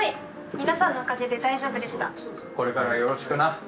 皆さんのおかげで大丈これからよろしくな。